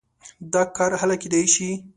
دا کار هله کېدای شي.